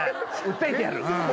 訴えてやる。